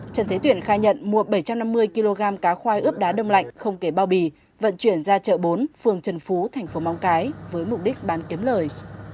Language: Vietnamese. trần thế tuyển khai nhận mua bảy trăm năm mươi kg cá khoai ướp đá đông lạnh không kể bao bì vận chuyển ra chợ bốn phường trần phú thành phố móng cái với mục đích bán kiếm lời